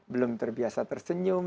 belum terbiasa tersenyum